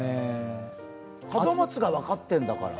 門松が分かってるんだから。